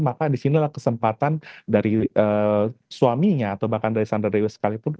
maka disinilah kesempatan dari suaminya atau bahkan dari sandra dewa sekalipun